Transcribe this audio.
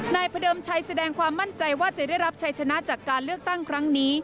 พระเดิมชัยแสดงความมั่นใจว่าจะได้รับชัยชนะจากการเลือกตั้งครั้งนี้